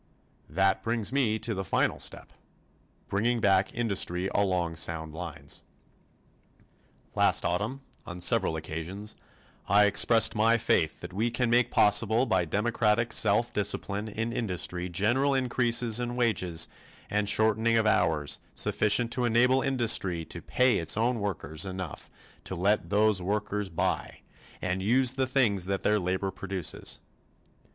That brings me to the final step bringing back industry along sound lines. Last Autumn, on several occasions, I expressed my faith that we can make possible by democratic self discipline in industry general increases in wages and shortening of hours sufficient to enable industry to pay its own workers enough to let those workers buy and use the things that their labor produces.